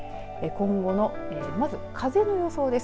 今後のまず風の予想です。